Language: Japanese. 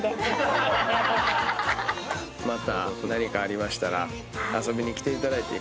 また何かありましたら遊びに来ていただいて。